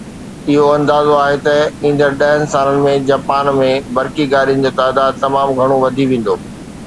اهو اندازو آهي ته ايندڙ ڏهن سالن ۾ جاپان ۾ برقي گاڏين جو تعداد تمام گهڻو وڌي ويندو